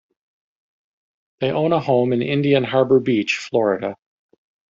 They own a home in Indian Harbour Beach, Florida.